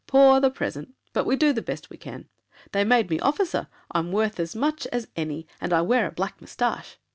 Poor The present, but we do the best we can! They made me officer—I'm worth as much As any, and I wear a black mustache.